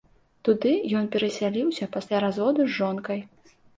Туды ён перасяліўся пасля разводу з жонкай.